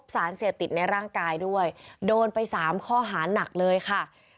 สารเสพติดในร่างกายด้วยโดนไป๓ข้อหานักเลยค่ะ